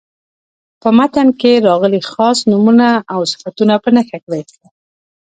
په متن کې راغلي خاص نومونه او صفتونه په نښه کړئ.